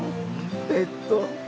えっと